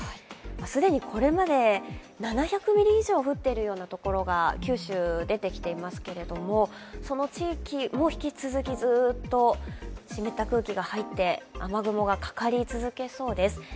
既にこれで７００ミリ以上降っているところが九州、出てきていますけれども、その地域も引き続き、ずっと湿った空気が入って、雨雲がかかり続けそうです。